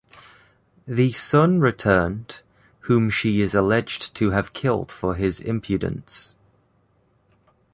The son returned, whom she is alleged to have killed for his impudence.